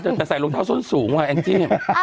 แต่ใส่รองเท้าส้นสูงว่แองจี้